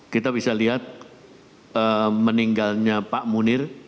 kita bisa lihat meninggalnya pak munir